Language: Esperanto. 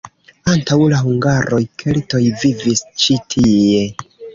Antaŭ la hungaroj keltoj vivis ĉi tie.